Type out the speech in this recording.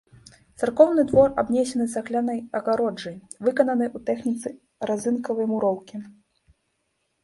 Царкоўны двор абнесены цаглянай агароджай, выкананай у тэхніцы разынкавай муроўкі.